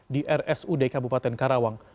di rsud kabupaten karawang